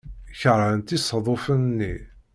Keṛhent isaḍufen-nni.